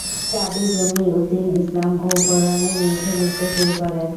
পাদ্রি জমির উদ্দিন ইসলাম ও কোরআনের বিরুদ্ধে লিখতে শুরু করেন।